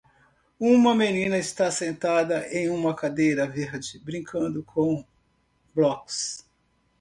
Uma menina está sentada em uma cadeira verde, brincando com blocos.